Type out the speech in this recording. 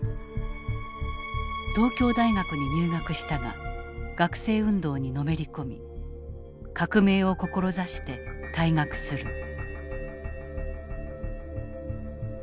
東京大学に入学したが学生運動にのめり込み革命を志して退学する。